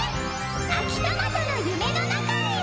秋トマトの夢の中へ！